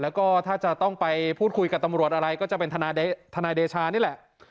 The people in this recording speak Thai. แล้วก็ถ้าจะต้องไปพูดคุยกับตำรวจอะไรก็จะเป็นทนายเดชานี่แหละ